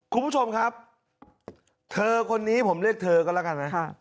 คุณผู้ชมครับเธอคนนี้ผมเรียกเธอก็แล้วกันนะ